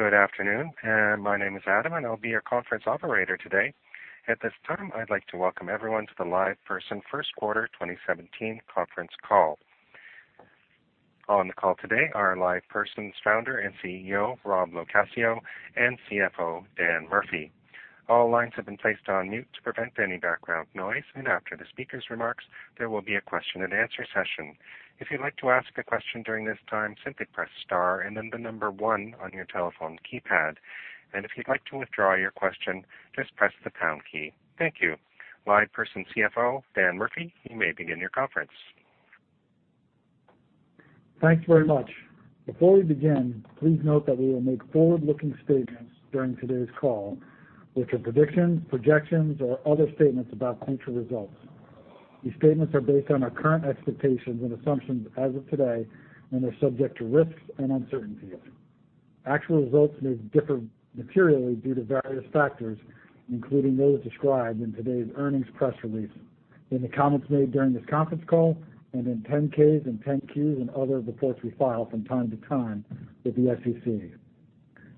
Good afternoon. My name is Adam, and I'll be your conference operator today. At this time, I'd like to welcome everyone to the LivePerson First Quarter 2017 conference call. On the call today are LivePerson's founder and CEO, Robert LoCascio, and CFO, Daniel Murphy. All lines have been placed on mute to prevent any background noise. After the speakers' remarks, there will be a question and answer session. If you'd like to ask a question during this time, simply press star and then the number one on your telephone keypad. If you'd like to withdraw your question, just press the pound key. Thank you. LivePerson CFO, Daniel Murphy, you may begin your conference. Thanks very much. Before we begin, please note that we will make forward-looking statements during today's call, which are predictions, projections, or other statements about future results. These statements are based on our current expectations and assumptions as of today and are subject to risks and uncertainties. Actual results may differ materially due to various factors, including those described in today's earnings press release, in the comments made during this conference call, and in 10-Ks and 10-Qs and other reports we file from time to time with the SEC.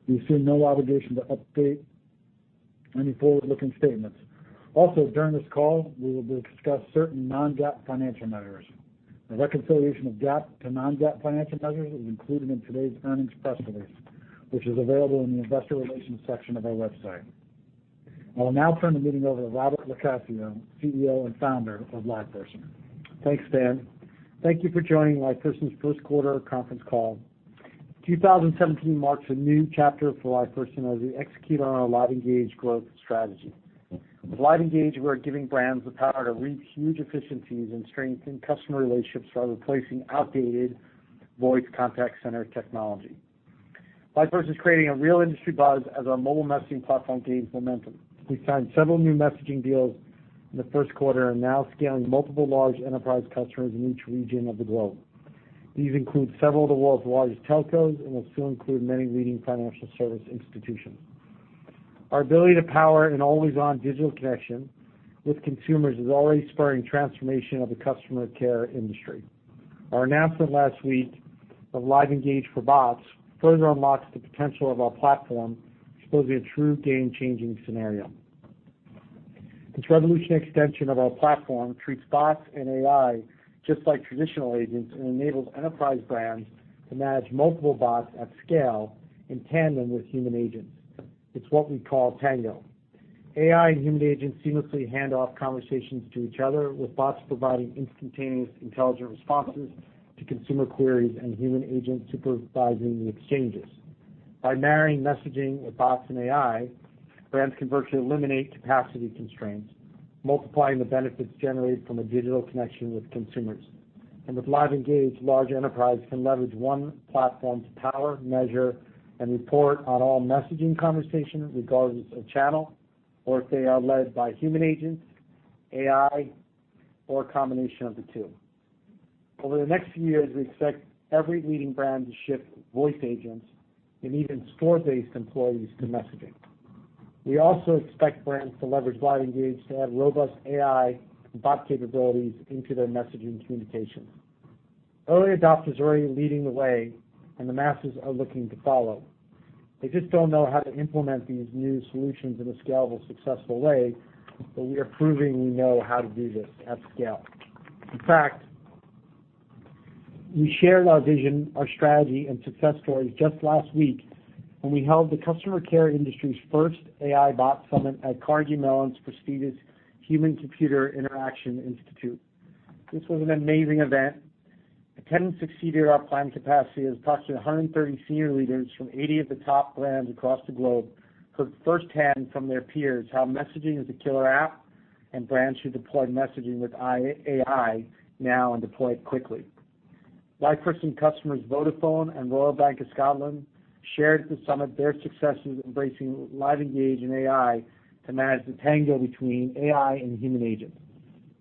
We assume no obligation to update any forward-looking statements. During this call, we will discuss certain non-GAAP financial measures. A reconciliation of GAAP to non-GAAP financial measures is included in today's earnings press release, which is available in the investor relations section of our website. I will now turn the meeting over to Robert LoCascio, CEO and founder of LivePerson. Thanks, Dan. Thank you for joining LivePerson's first quarter conference call. 2017 marks a new chapter for LivePerson as we execute on our LiveEngage growth strategy. With LiveEngage, we're giving brands the power to reap huge efficiencies and strengthen customer relationships by replacing outdated voice contact center technology. LivePerson's creating a real industry buzz as our mobile messaging platform gains momentum. We've signed several new messaging deals in the first quarter. Now scaling multiple large enterprise customers in each region of the globe. These include several of the world's largest telcos and will soon include many leading financial service institutions. Our ability to power an always-on digital connection with consumers is already spurring transformation of the customer care industry. Our announcement last week of LiveEngage for Bots further unlocks the potential of our platform, exposing a true game-changing scenario. This revolutionary extension of our platform treats bots and AI just like traditional agents and enables enterprise brands to manage multiple bots at scale in tandem with human agents. It's what we call tango. AI and human agents seamlessly hand off conversations to each other, with bots providing instantaneous intelligent responses to consumer queries and human agents supervising the exchanges. By marrying messaging with bots and AI, brands can virtually eliminate capacity constraints, multiplying the benefits generated from a digital connection with consumers. With LiveEngage, large enterprise can leverage one platform to power, measure, and report on all messaging conversations regardless of channel or if they are led by human agents, AI, or a combination of the two. Over the next few years, we expect every leading brand to shift voice agents and even store-based employees to messaging. We also expect brands to leverage LiveEngage to add robust AI and bot capabilities into their messaging communications. Early adopters are already leading the way. The masses are looking to follow. They just don't know how to implement these new solutions in a scalable, successful way. We are proving we know how to do this at scale. In fact, we shared our vision, our strategy, and success stories just last week when we held the customer care industry's first AI bot summit at Carnegie Mellon's prestigious Human-Computer Interaction Institute. This was an amazing event. Attendance exceeded our planned capacity as approximately 130 senior leaders from 80 of the top brands across the globe heard firsthand from their peers how messaging is the killer app. Brands should deploy messaging with AI now and deploy it quickly. LivePerson customers Vodafone and Royal Bank of Scotland shared at the summit their successes embracing LiveEngage and AI to manage the tango between AI and human agents.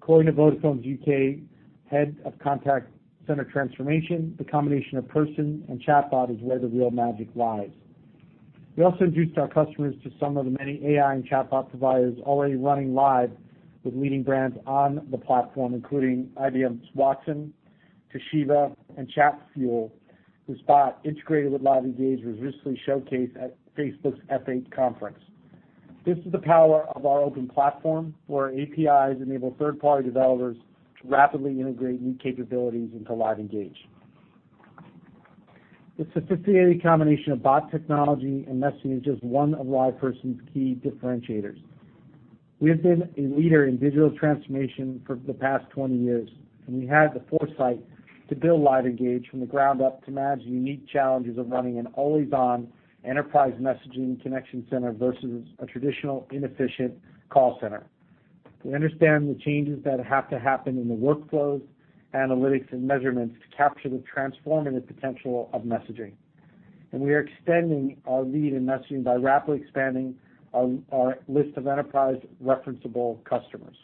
According to Vodafone's U.K. head of contact center transformation, the combination of person and chatbot is where the real magic lies. We also introduced our customers to some of the many AI and chatbot providers already running live with leading brands on the platform, including IBM's Watson, Toshiba, and Chatfuel, whose bot, integrated with LiveEngage, was recently showcased at Facebook's F8 conference. This is the power of our open platform, where APIs enable third-party developers to rapidly integrate new capabilities into LiveEngage. This sophisticated combination of bot technology and messaging is just one of LivePerson's key differentiators. We have been a leader in digital transformation for the past 20 years, and we had the foresight to build LiveEngage from the ground up to manage the unique challenges of running an always-on enterprise messaging connection center versus a traditional, inefficient call center. We understand the changes that have to happen in the workflows, analytics, and measurements to capture the transformative potential of messaging. We are extending our lead in messaging by rapidly expanding our list of enterprise referenceable customers.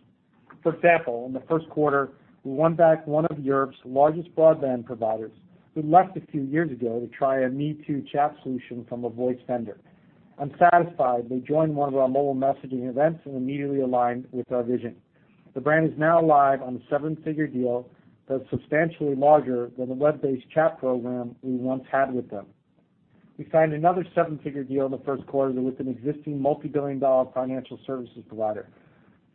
For example, in the first quarter, we won back one of Europe's largest broadband providers who left a few years ago to try a me-too chat solution from a voice vendor. Unsatisfied, they joined one of our mobile messaging events and immediately aligned with our vision. The brand is now live on a seven-figure deal that is substantially larger than the web-based chat program we once had with them. We signed another seven-figure deal in the first quarter with an existing multibillion-dollar financial services provider.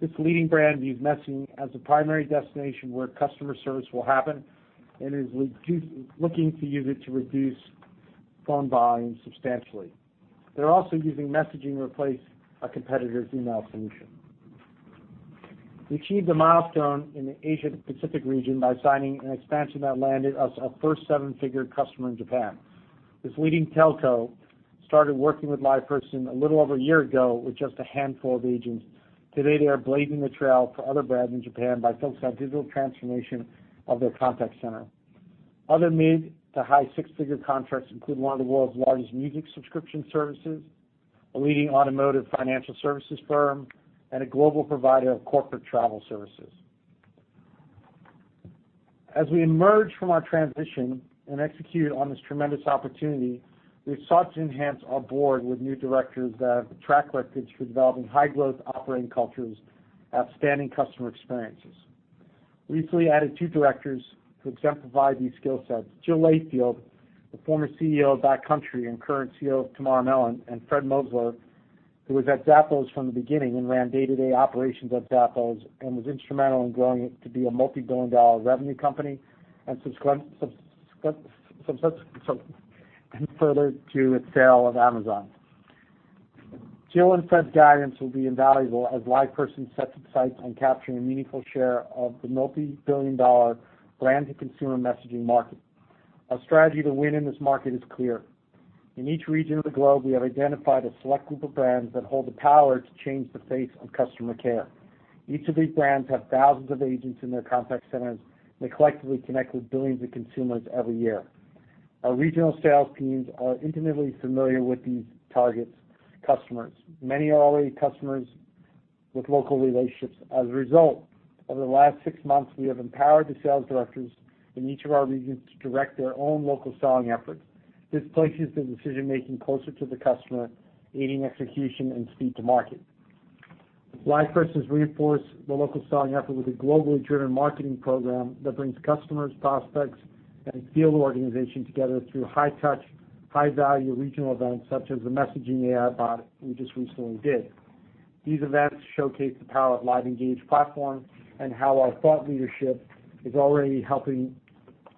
This leading brand views messaging as the primary destination where customer service will happen and is looking to use it to reduce phone volume substantially. They're also using messaging to replace a competitor's email solution. We achieved a milestone in the Asia Pacific region by signing an expansion that landed us our first seven-figure customer in Japan. This leading telco started working with LivePerson a little over a year ago with just a handful of agents. Today, they are blazing the trail for other brands in Japan by focusing on digital transformation of their contact center. Other mid to high six-figure contracts include one of the world's largest music subscription services, a leading automotive financial services firm, and a global provider of corporate travel services. As we emerge from our transition and execute on this tremendous opportunity, we've sought to enhance our board with new directors that have a track record for developing high-growth operating cultures and outstanding customer experiences. We recently added two directors who exemplify these skill sets. Jill Layfield, the former CEO of Backcountry and current CEO of Tamara Mellon, and Fred Mossler, who was at Zappos from the beginning and ran day-to-day operations at Zappos and was instrumental in growing it to be a multibillion-dollar revenue company and further to its sale of Amazon. Jill and Fred's guidance will be invaluable as LivePerson sets its sights on capturing a meaningful share of the multibillion-dollar brand-to-consumer messaging market. Our strategy to win in this market is clear. In each region of the globe, we have identified a select group of brands that hold the power to change the face of customer care. Each of these brands have thousands of agents in their contact centers, and they collectively connect with billions of consumers every year. Our regional sales teams are intimately familiar with these target customers. Many are already customers with local relationships. As a result, over the last six months, we have empowered the sales directors in each of our regions to direct their own local selling efforts. This places the decision-making closer to the customer, aiding execution and speed to market. LivePerson has reinforced the local selling effort with a globally driven marketing program that brings customers, prospects, and field organization together through high-touch, high-value regional events such as the messaging AI bot we just recently did. These events showcase the power of LiveEngage platform and how our thought leadership is already helping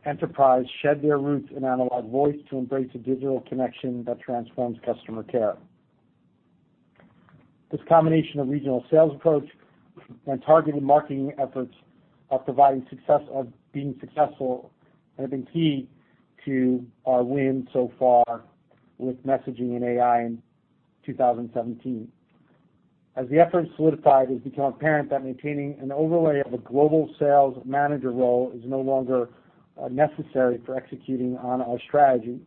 enterprises shed their roots in analog voice to embrace a digital connection that transforms customer care. This combination of regional sales approach and targeted marketing efforts are being successful and have been key to our wins so far with messaging and AI in 2017. As the effort solidified, it has become apparent that maintaining an overlay of a global sales manager role is no longer necessary for executing on our strategy.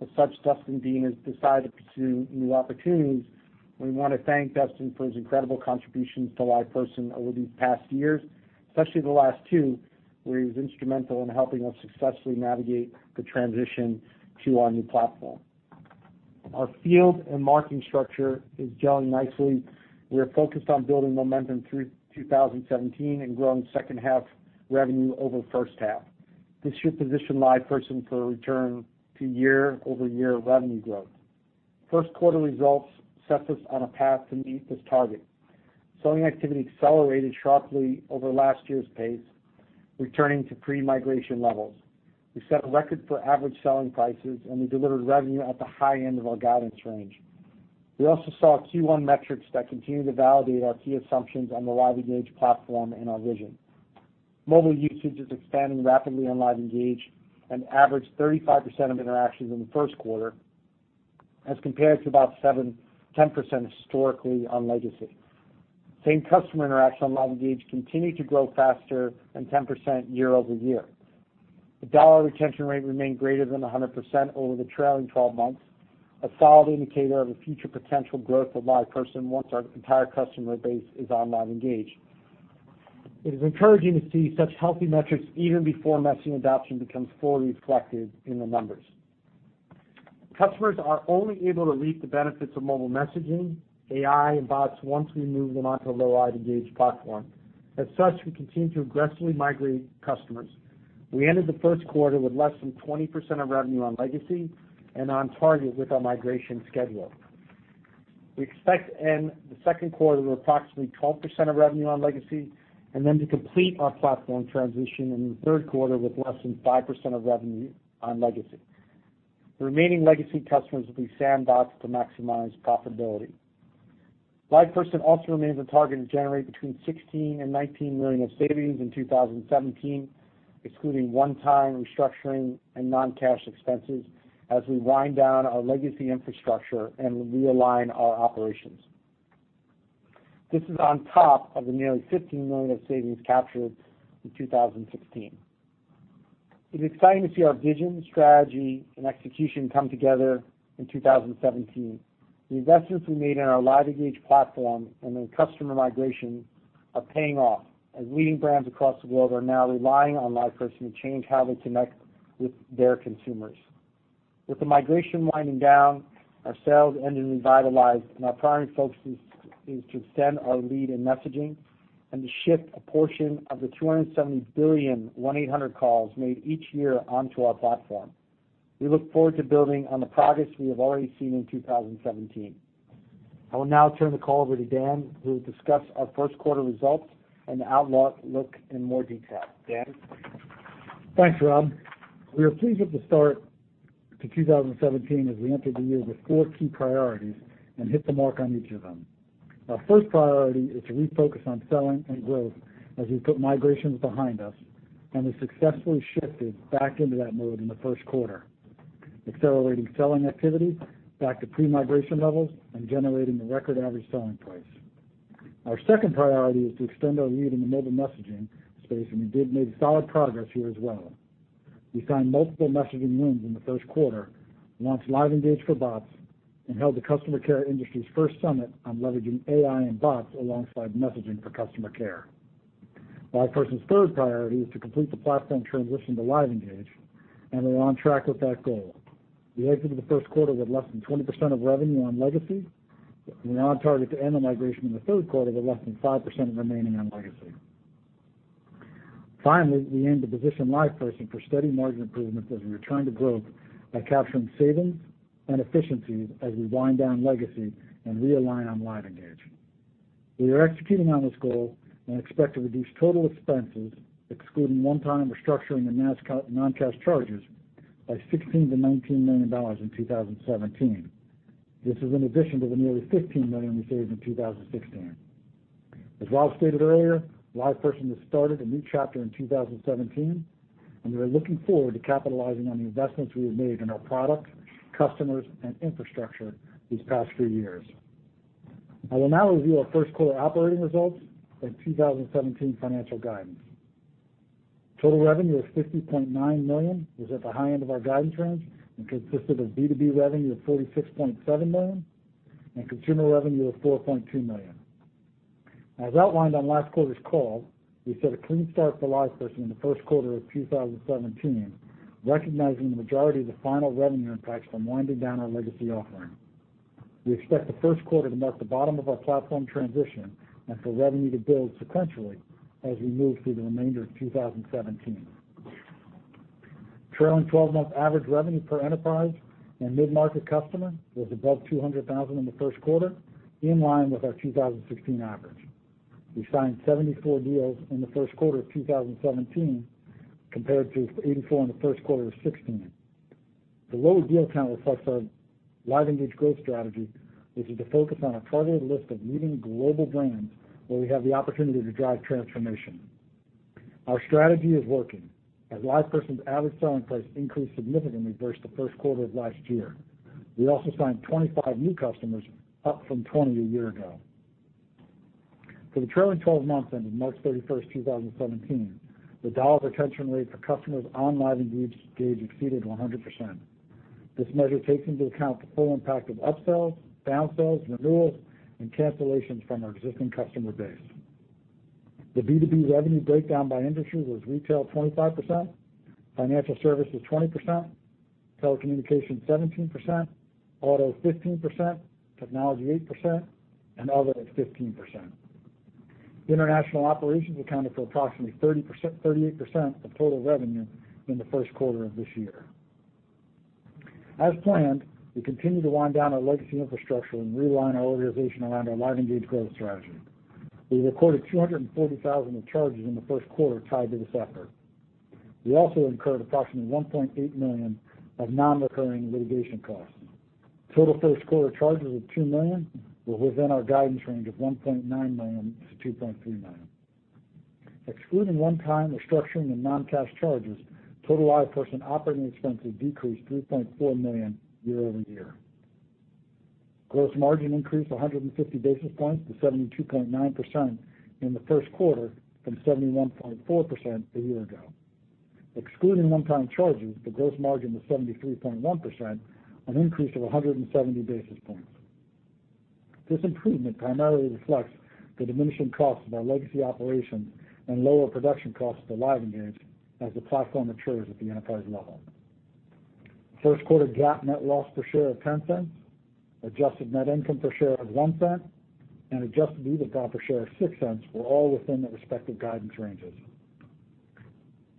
As such, Dustin Dean has decided to pursue new opportunities. We want to thank Dustin for his incredible contributions to LivePerson over these past years, especially the last two, where he was instrumental in helping us successfully navigate the transition to our new platform. Our field and marketing structure is gelling nicely. We are focused on building momentum through 2017 and growing second-half revenue over the first half. This should position LivePerson for a return to year-over-year revenue growth. First quarter results set us on a path to meet this target. Selling activity accelerated sharply over last year's pace, returning to pre-migration levels. We set a record for average selling prices, and we delivered revenue at the high end of our guidance range. We also saw Q1 metrics that continue to validate our key assumptions on the LiveEngage platform and our vision. Mobile usage is expanding rapidly on LiveEngage, and averaged 35% of interactions in the first quarter as compared to about 7%-10% historically on legacy. Same customer interaction on LiveEngage continued to grow faster than 10% year-over-year. The dollar retention rate remained greater than 100% over the trailing 12 months, a solid indicator of the future potential growth of LivePerson once our entire customer base is on LiveEngage. It is encouraging to see such healthy metrics even before messaging adoption becomes fully reflected in the numbers. Customers are only able to reap the benefits of mobile messaging, AI, and bots once we move them onto the LiveEngage platform. As such, we continue to aggressively migrate customers. We ended the first quarter with less than 20% of revenue on legacy and on target with our migration schedule. We expect to end the second quarter with approximately 12% of revenue on legacy and then to complete our platform transition in the third quarter with less than 5% of revenue on legacy. The remaining legacy customers will be sandboxed to maximize profitability. LivePerson also remains on target to generate between $16 and $19 million of savings in 2017, excluding one-time restructuring and non-cash expenses as we wind down our legacy infrastructure and realign our operations. This is on top of the nearly $15 million of savings captured in 2016. It is exciting to see our vision, strategy, and execution come together in 2017. The investments we made in our LiveEngage platform and in customer migration are paying off as leading brands across the world are now relying on LivePerson to change how they connect with their consumers. With the migration winding down, our sales engine revitalized, and our primary focus is to extend our lead in messaging and to shift a portion of the 270 billion 1-800 calls made each year onto our platform. We look forward to building on the progress we have already seen in 2017. I will now turn the call over to Dan, who will discuss our first quarter results and the outlook in more detail. Dan? Thanks, Rob. We are pleased with the start to 2017 as we entered the year with four key priorities and hit the mark on each of them. Our first priority is to refocus on selling and growth as we put migrations behind us, and we successfully shifted back into that mode in the first quarter, accelerating selling activity back to pre-migration levels and generating a record average selling price. Our second priority is to extend our lead in the mobile messaging space, and we did make solid progress here as well. We signed multiple messaging wins in the first quarter, launched LiveEngage for Bots, and held the customer care industry's first summit on leveraging AI and bots alongside messaging for customer care. LivePerson's third priority is to complete the platform transition to LiveEngage, and we're on track with that goal. We entered the first quarter with less than 20% of revenue on legacy. We are on target to end the migration in the third quarter with less than 5% remaining on legacy. We aim to position LivePerson for steady margin improvements as we return to growth by capturing savings and efficiencies as we wind down legacy and realign on LiveEngage. We are executing on this goal and expect to reduce total expenses, excluding one-time restructuring and non-cash charges, by $16 million-$19 million in 2017. This is in addition to the nearly $15 million we saved in 2016. As Rob stated earlier, LivePerson has started a new chapter in 2017. We are looking forward to capitalizing on the investments we have made in our product, customers, and infrastructure these past few years. I will now review our first quarter operating results and 2017 financial guidance. Total revenue of $50.9 million was at the high end of our guidance range and consisted of B2B revenue of $46.7 million and consumer revenue of $4.2 million. As outlined on last quarter's call, we set a clean start for LivePerson in the first quarter of 2017, recognizing the majority of the final revenue impacts from winding down our legacy offering. We expect the first quarter to mark the bottom of our platform transition and for revenue to build sequentially as we move through the remainder of 2017. Trailing 12-month average revenue per enterprise and mid-market customer was above $200,000 in the first quarter, in line with our 2016 average. We signed 74 deals in the first quarter of 2017, compared to 84 in the first quarter of 2016. The lower deal count reflects our LiveEngage growth strategy, which is to focus on a targeted list of leading global brands where we have the opportunity to drive transformation. Our strategy is working, as LivePerson's average selling price increased significantly versus the first quarter of last year. We also signed 25 new customers, up from 20 a year ago. For the trailing 12 months ending March 31st, 2017, the dollar retention rate for customers on LiveEngage exceeded 100%. This measure takes into account the full impact of upsells, down sells, renewals, and cancellations from our existing customer base. The B2B revenue breakdown by industry was retail 25%, financial services 20%, telecommunications 17%, auto 15%, technology 8%, and other at 15%. International operations accounted for approximately 38% of total revenue in the first quarter of this year. As planned, we continue to wind down our legacy infrastructure and realign our organization around our LiveEngage growth strategy. We recorded $240,000 of charges in the first quarter tied to this effort. We also incurred approximately $1.8 million of non-recurring litigation costs. Total first-quarter charges of $2 million were within our guidance range of $1.9 million-$2.3 million. Excluding one-time restructuring and non-cash charges, total LivePerson operating expenses decreased $3.4 million year-over-year. Gross margin increased 150 basis points to 72.9% in the first quarter from 71.4% a year ago. Excluding one-time charges, the gross margin was 73.1%, an increase of 170 basis points. This improvement primarily reflects the diminishing cost of our legacy operations and lower production costs to LiveEngage as the platform matures at the enterprise level. First quarter GAAP net loss per share of $0.10, adjusted net income per share of $0.01, and adjusted EBITDA per share of $0.06 were all within the respective guidance ranges.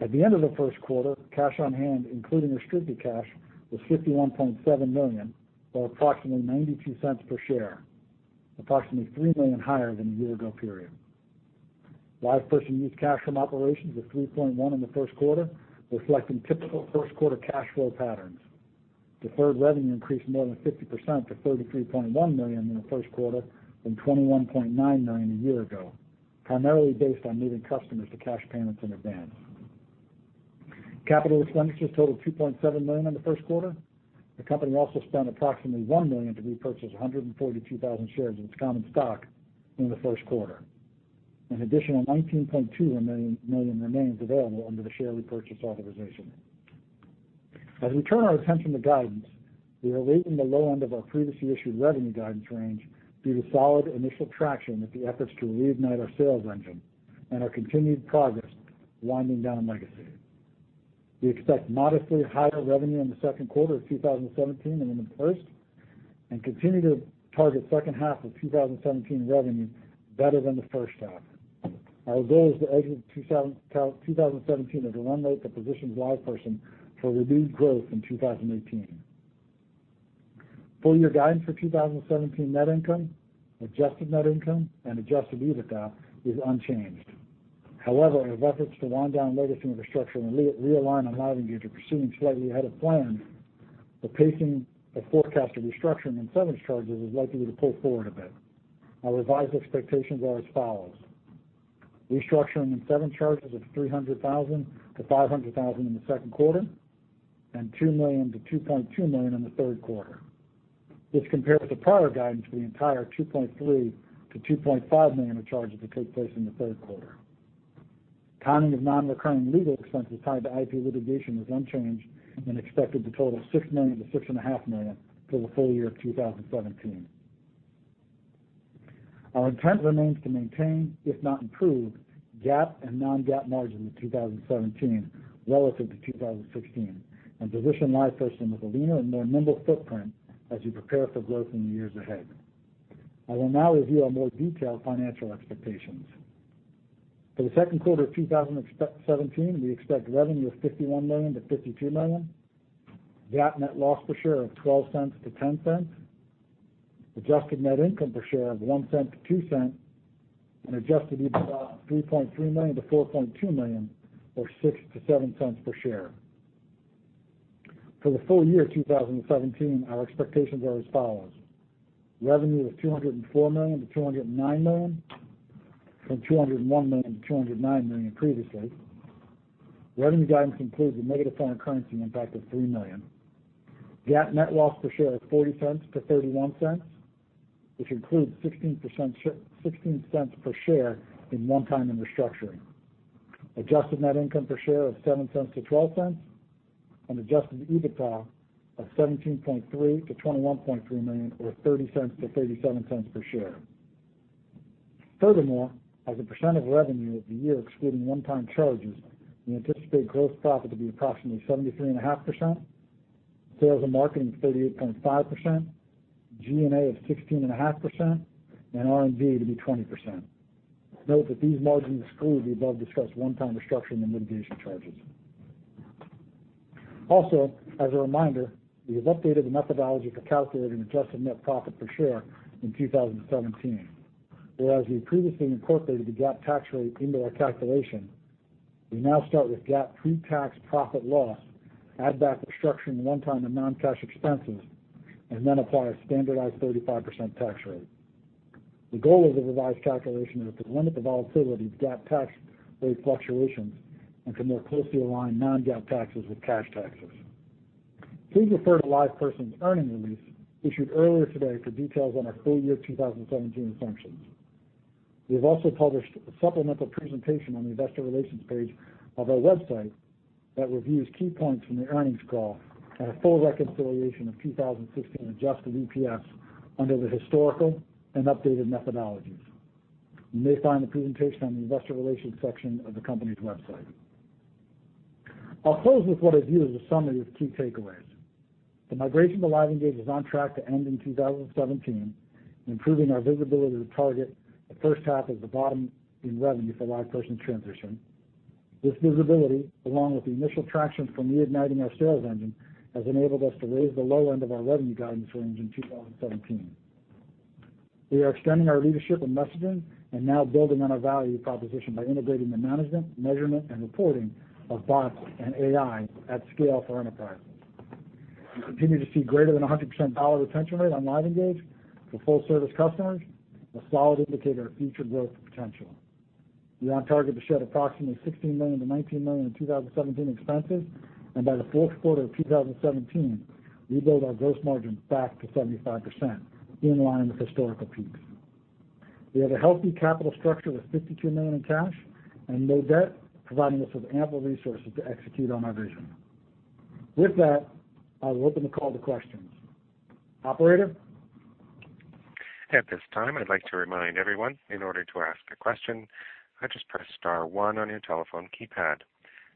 At the end of the first quarter, cash on hand, including restricted cash, was $51.7 million, or approximately $0.92 per share, approximately $3 million higher than a year-ago period. LivePerson used cash from operations of $3.1 million in the first quarter, reflecting typical first-quarter cash flow patterns. Deferred revenue increased more than 50% to $33.1 million in the first quarter from $21.9 million a year ago, primarily based on leading customers to cash payments in advance. Capital expenditures totaled $2.7 million in the first quarter. The company also spent approximately $1 million to repurchase 142,000 shares of its common stock during the first quarter. An additional $19.2 million remains available under the share repurchase authorization. As we turn our attention to guidance, we are raising the low end of our previously issued revenue guidance range due to solid initial traction with the efforts to reignite our sales engine and our continued progress winding down legacy. We expect modestly higher revenue in the second quarter of 2017 than in the first, and continue to target second half of 2017 revenue better than the first half. Our goal is to exit 2017 as a run rate that positions LivePerson for renewed growth in 2018. Full-year guidance for 2017 net income, adjusted net income, and adjusted EBITDA is unchanged. However, as efforts to wind down Legacy infrastructure and realign on LiveEngage are proceeding slightly ahead of plan, the pacing of forecasted restructuring and severance charges is likely to pull forward a bit. Our revised expectations are as follows: Restructuring and severance charges of $300,000-$500,000 in the second quarter, and $2 million-$2.2 million in the third quarter. This compares with the prior guidance for the entire $2.3 million-$2.5 million of charges to take place in the third quarter. Timing of non-recurring legal expenses tied to IP litigation is unchanged and expected to total $6 million-$6.5 million for the full year of 2017. Our intent remains to maintain, if not improve, GAAP and non-GAAP margin in 2017 relative to 2016 and position LivePerson with a leaner and more nimble footprint as we prepare for growth in the years ahead. I will now review our more detailed financial expectations. For the second quarter of 2017, we expect revenue of $51 million-$52 million, GAAP net loss per share of $0.12-$0.10, adjusted net income per share of $0.01-$0.02, and adjusted EBITDA, $3.3 million-$4.2 million or $0.06-$0.07 per share. For the full year 2017, our expectations are as follows: Revenue of $204 million-$209 million, from $201 million-$209 million previously. Revenue guidance includes a negative foreign currency impact of $3 million. GAAP net loss per share of $0.40-$0.31, which includes $0.16 per share in one-time and restructuring. Adjusted net income per share of $0.07-$0.12, and adjusted EBITDA of $17.3 million-$21.3 million or $0.30-$0.37 per share. As a percent of revenue for the year excluding one-time charges, we anticipate gross profit to be approximately 73.5%, sales and marketing 38.5%, G&A of 16.5%, and R&D to be 20%. Note that these margins exclude the above-discussed one-time restructuring and litigation charges. Also, as a reminder, we have updated the methodology for calculating adjusted net profit per share in 2017. Whereas we previously incorporated the GAAP tax rate into our calculation, we now start with GAAP pre-tax profit/loss, add back restructuring to one-time and non-cash expenses, and then apply a standardized 35% tax rate. The goal of the revised calculation is to limit the volatility of GAAP tax rate fluctuations and to more closely align non-GAAP taxes with cash taxes. Please refer to LivePerson's earnings release issued earlier today for details on our full year 2017 assumptions. We have also published a supplemental presentation on the investor relations page of our website that reviews key points from the earnings call and a full reconciliation of 2016 adjusted EPS under the historical and updated methodologies. You may find the presentation on the investor relations section of the company's website. I'll close with what I view as a summary of key takeaways. The migration to LiveEngage is on track to end in 2017, improving our visibility to target the first half as the bottom in revenue for LivePerson's transition. This visibility, along with the initial traction from reigniting our sales engine, has enabled us to raise the low end of our revenue guidance range in 2017. We are extending our leadership in messaging and now building on our value proposition by integrating the management, measurement, and reporting of bots and AI at scale for enterprises. We continue to see greater than 100% dollar retention rate on LiveEngage for full-service customers, a solid indicator of future growth potential. We are on target to shed approximately $16 million to $19 million in 2017 expenses, and by the fourth quarter of 2017, rebuild our gross margins back to 75%, in line with historical peaks. We have a healthy capital structure with $52 million in cash and no debt, providing us with ample resources to execute on our vision. With that, I will open the call to questions. Operator? At this time, I'd like to remind everyone, in order to ask a question, just press star one on your telephone keypad,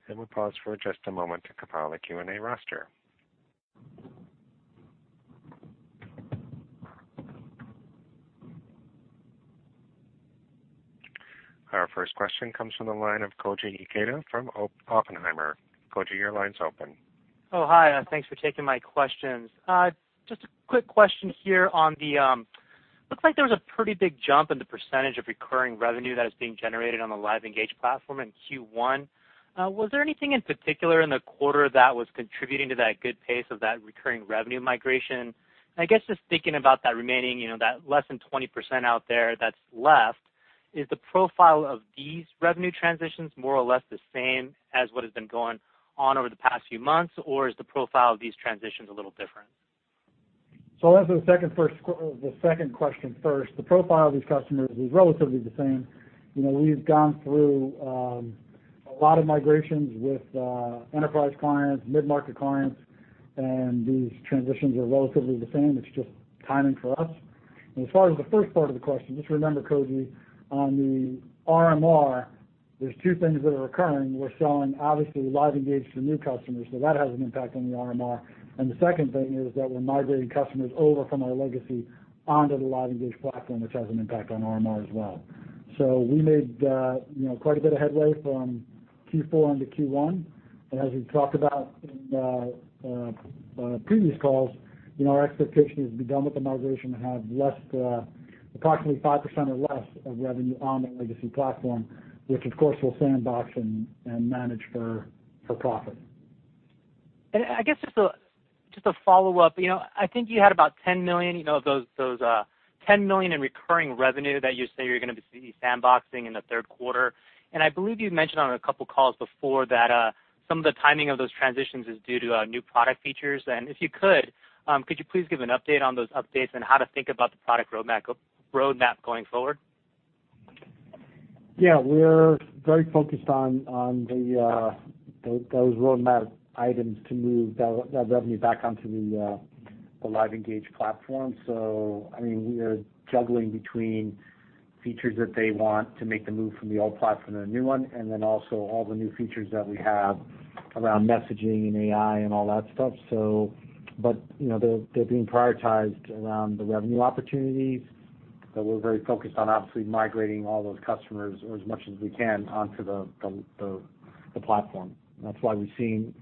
and we'll pause for just a moment to compile a Q&A roster. Our first question comes from the line of Koji Ikeda from Oppenheimer. Koji, your line's open. Oh, hi. Thanks for taking my questions. Just a quick question here. Looks like there was a pretty big jump in the percentage of recurring revenue that is being generated on the LiveEngage platform in Q1. Was there anything in particular in the quarter that was contributing to that good pace of that recurring revenue migration? I guess just thinking about that remaining, that less than 20% out there that's left, is the profile of these revenue transitions more or less the same as what has been going on over the past few months, or is the profile of these transitions a little different? I'll answer the second question first. The profile of these customers is relatively the same. We've gone through a lot of migrations with enterprise clients, mid-market clients, and these transitions are relatively the same. It's just timing for us. As far as the first part of the question, just remember, Koji, on the RMR, there's two things that are occurring. We're selling, obviously, LiveEngage to new customers, so that has an impact on the RMR. The second thing is that we're migrating customers over from our legacy onto the LiveEngage platform, which has an impact on RMR as well. We made quite a bit of headway from Q4 into Q1. As we've talked about in previous calls, our expectation is to be done with the migration and have approximately 5% or less of revenue on the legacy platform, which, of course, we'll sandbox and manage for profit. I guess just a follow-up. I think you had about $10 million in recurring revenue that you say you're going to be sandboxing in the third quarter. I believe you've mentioned on a couple calls before that some of the timing of those transitions is due to new product features. If you could you please give an update on those updates and how to think about the product roadmap going forward? We're very focused on those roadmap items to move that revenue back onto the LiveEngage platform. We are juggling between features that they want to make the move from the old platform to the new one, also all the new features that we have around messaging and AI and all that stuff. They're being prioritized around the revenue opportunities, we're very focused on obviously migrating all those customers, or as much as we can, onto the platform. That's why we've seen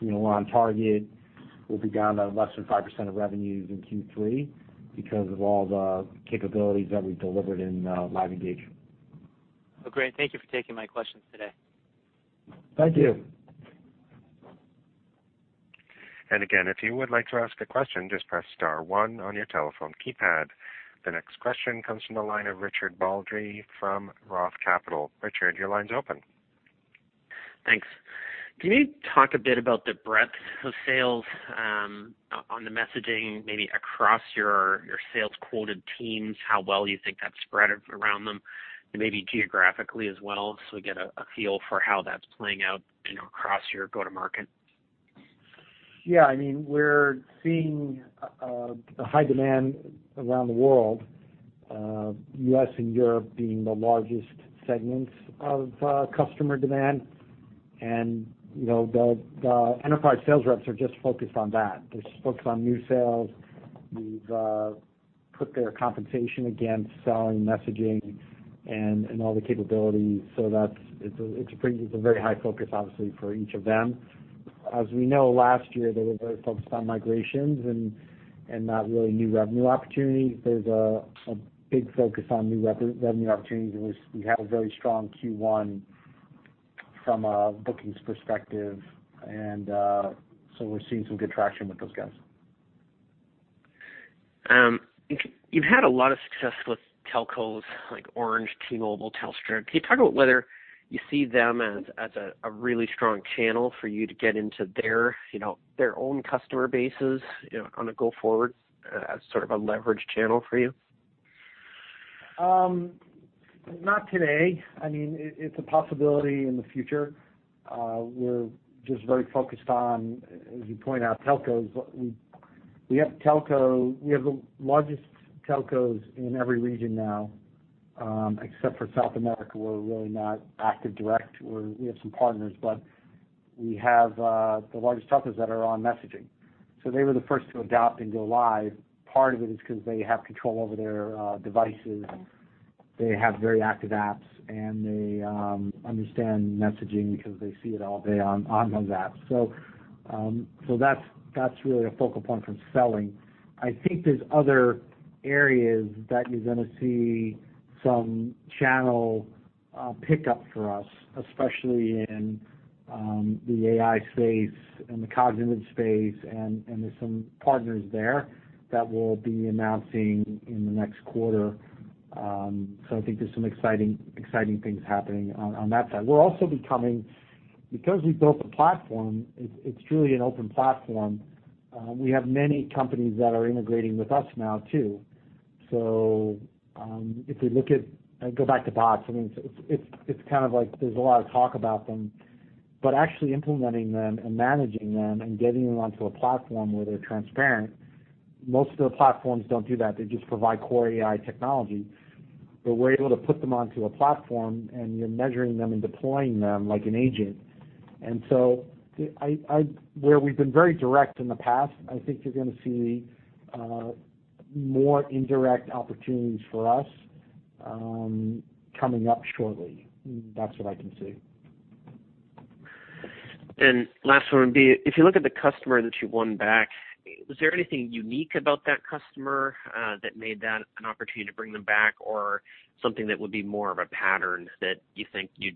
we're on target. We'll be down to less than 5% of revenues in Q3 because of all the capabilities that we delivered in LiveEngage. Great. Thank you for taking my questions today. Thank you. Again, if you would like to ask a question, just press star one on your telephone keypad. The next question comes from the line of Richard Baldry from Roth Capital. Richard, your line's open. Thanks. Can you talk a bit about the breadth of sales on the messaging, maybe across your sales quota teams, how well you think that's spread around them, and maybe geographically as well, so we get a feel for how that's playing out across your go-to market? Yeah, we're seeing a high demand around the world, U.S. and Europe being the largest segments of customer demand. The enterprise sales reps are just focused on that. They're just focused on new sales. We've put their compensation against selling messaging and all the capabilities. It's a very high focus, obviously, for each of them. As we know, last year, they were very focused on migrations and not really new revenue opportunities. There's a big focus on new revenue opportunities, and we had a very strong Q1 from a bookings perspective, and so we're seeing some good traction with those guys. You've had a lot of success with telcos like Orange, T-Mobile, Telstra. Can you talk about whether you see them as a really strong channel for you to get into their own customer bases on a go-forward as sort of a leverage channel for you? Not today. It's a possibility in the future. We're just very focused on, as you point out, telcos. We have the largest telcos in every region now. Except for South America, we're really not active direct. We have some partners, but we have the largest telcos that are on messaging. They were the first to adopt and go live. Part of it is because they have control over their devices, they have very active apps, and they understand messaging because they see it all day on those apps. That's really a focal point from selling. I think there's other areas that you're going to see some channel pickup for us, especially in the AI space and the cognitive space, and there's some partners there that we'll be announcing in the next quarter. I think there's some exciting things happening on that side. We're also becoming, because we built a platform, it's truly an open platform, we have many companies that are integrating with us now, too. If we look at, go back to bots, it's kind of like there's a lot of talk about them, but actually implementing them and managing them and getting them onto a platform where they're transparent, most of the platforms don't do that. They just provide core AI technology. We're able to put them onto a platform, and you're measuring them and deploying them like an agent. Where we've been very direct in the past, I think you're going to see more indirect opportunities for us coming up shortly. That's what I can see. Last one would be, if you look at the customer that you won back, was there anything unique about that customer that made that an opportunity to bring them back or something that would be more of a pattern that you think you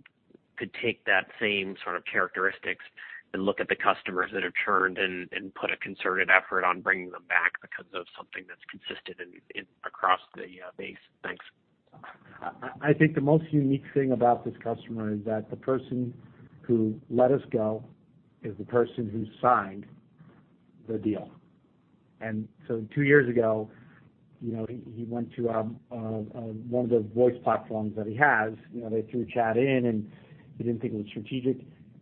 could take that same sort of characteristics and look at the customers that have churned and put a concerted effort on bringing them back because of something that's consistent across the base? Thanks. I think the most unique thing about this customer is that the person who let us go is the person who signed the deal. Two years ago, he went to one of the voice platforms that he has. They threw chat in, and he didn't think it was strategic.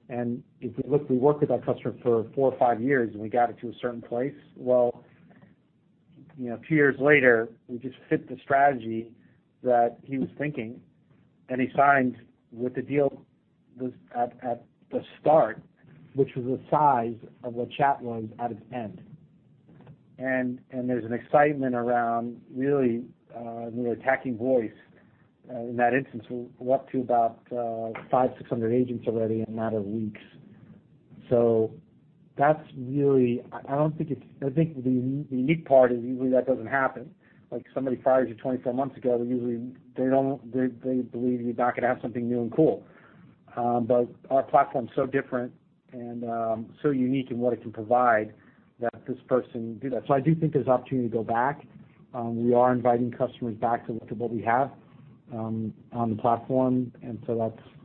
If you look, we worked with that customer for four or five years, and we got it to a certain place. Well, a few years later, we just fit the strategy that he was thinking, and he signed with the deal at the start, which was the size of what chat was at its end. There's an excitement around really attacking voice. In that instance, we're up to about 500, 600 agents already in a matter of weeks. That's really, I think the unique part is usually that doesn't happen. Somebody fires you 24 months ago, usually they believe you're not going to have something new and cool. Our platform's so different and so unique in what it can provide that this person did that. I do think there's opportunity to go back. We are inviting customers back to look at what we have on the platform,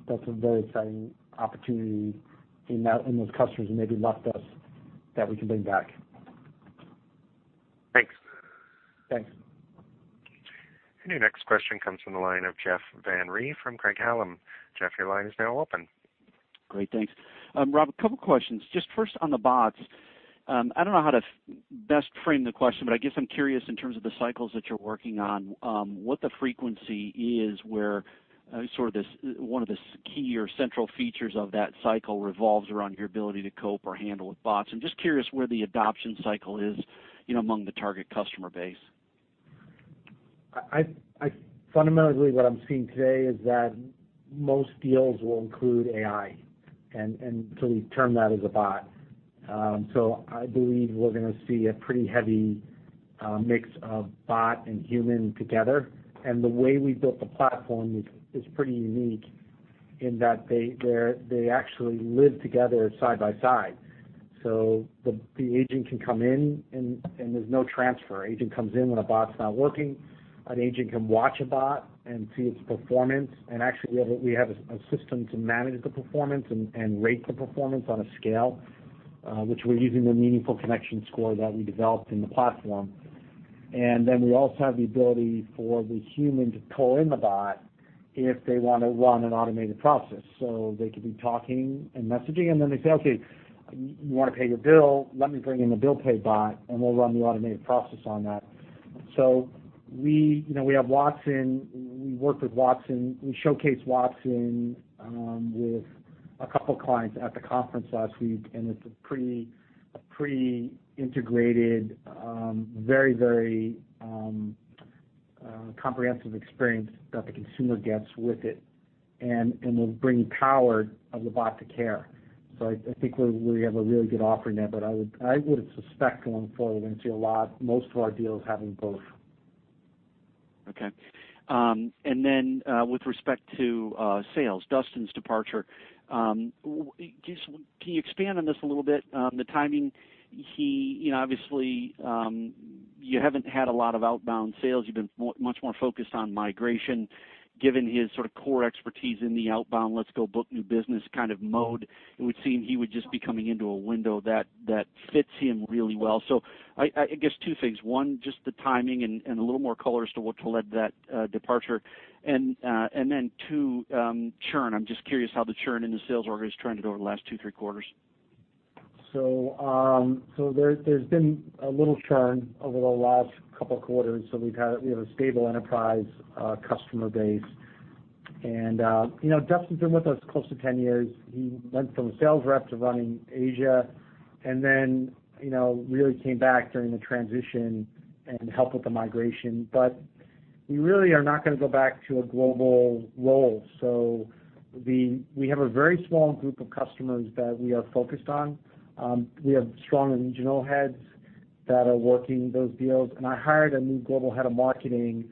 that's a very exciting opportunity in those customers who maybe left us that we can bring back. Thanks. Thanks. Your next question comes from the line of Jeff Van Rhee from Craig-Hallum. Jeff, your line is now open. Great, thanks. Rob, a couple questions. Just first on the bots. I don't know how to best frame the question, but I guess I'm curious in terms of the cycles that you're working on, what the frequency is where sort of this, one of the key or central features of that cycle revolves around your ability to cope or handle with bots. I'm just curious where the adoption cycle is among the target customer base. Fundamentally, what I'm seeing today is that most deals will include AI, so we term that as a bot. I believe we're gonna see a pretty heavy mix of bot and human together. The way we built the platform is pretty unique in that they actually live together side by side. The agent can come in and there's no transfer. Agent comes in when a bot's not working. An agent can watch a bot and see its performance. Actually, we have a system to manage the performance and rate the performance on a scale, which we're using the Meaningful Connection Score that we developed in the platform. Then we also have the ability for the human to pull in the bot if they want to run an automated process. They could be talking and messaging, then they say, "Okay, you want to pay your bill, let me bring in the bill pay bot, and we'll run the automated process on that." We have Watson, we worked with Watson, we showcased Watson with a couple clients at the conference last week, it's a pretty integrated, very comprehensive experience that the consumer gets with it, will bring power of the bot to care. I think we have a really good offering there, I would suspect going forward, we're going to see a lot, most of our deals having both. Okay. With respect to sales, Dustin's departure. Can you expand on this a little bit? The timing. Obviously, you haven't had a lot of outbound sales. You've been much more focused on migration. Given his sort of core expertise in the outbound, let's-go-book-new-business kind of mode, it would seem he would just be coming into a window that fits him really well. I guess 2 things. One, just the timing and a little more color as to what led that departure. Two, churn. I'm just curious how the churn in the sales org has trended over the last 2, 3 quarters. There's been a little churn over the last couple quarters. We have a stable enterprise customer base. Dustin's been with us close to 10 years. He went from a sales rep to running Asia and then really came back during the transition and helped with the migration. We really are not going to go back to a global role. We have a very small group of customers that we are focused on. We have strong regional heads that are working those deals, and I hired a new global head of marketing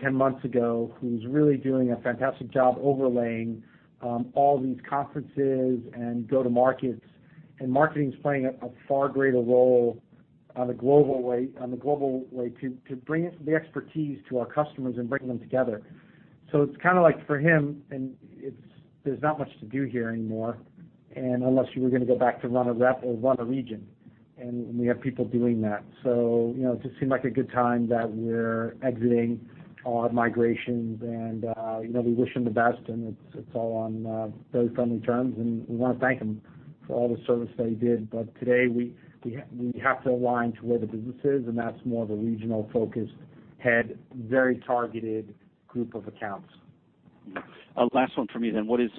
10 months ago, who's really doing a fantastic job overlaying all these conferences and go-to-markets. Marketing's playing a far greater role on the global way to bring the expertise to our customers and bring them together. It's kind of like for him, there's not much to do here anymore, and unless you were going to go back to run a rep or run a region, and we have people doing that. It just seemed like a good time that we're exiting our migrations and we wish him the best, and it's all on very friendly terms, and we want to thank him for all the service that he did. Today, we have to align to where the business is, and that's more of a regional-focused head, very targeted group of accounts. Last one for me.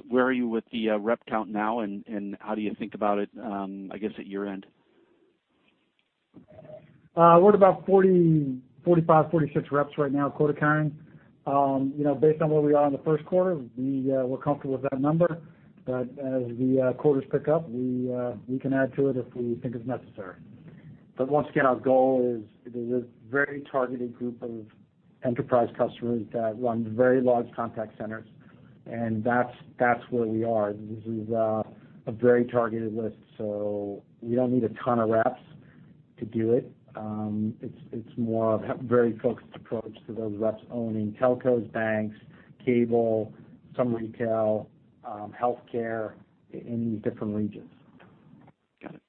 Where are you with the rep count now, and how do you think about it, I guess, at year-end? We're at about 45, 46 reps right now, quota-carrying. Based on where we are in the first quarter, we're comfortable with that number. As the quarters pick up, we can add to it if we think it's necessary. Once again, our goal is, there's a very targeted group of enterprise customers that run very large contact centers, and that's where we are. This is a very targeted list, so we don't need a ton of reps to do it. It's more of a very focused approach to those reps owning telcos, banks, cable, some retail, healthcare in these different regions. Got it.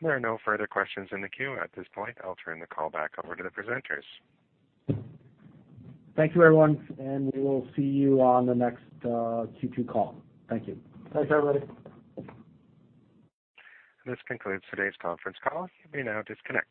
There are no further questions in the queue at this point. I'll turn the call back over to the presenters. Thank you, everyone, we will see you on the next Q2 call. Thank you. Thanks, everybody. This concludes today's conference call. You may now disconnect.